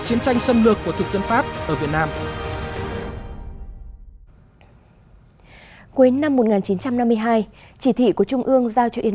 chiến tranh xâm lược của thực dân pháp ở việt nam cuối năm một nghìn chín trăm năm mươi hai chỉ thị của trung ương giao cho yên